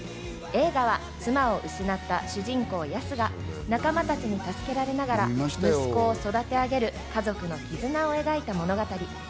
映画は妻を失った主人公・ヤスが仲間たちに助けられながら息子を育て上げる家族の絆を描いた物語。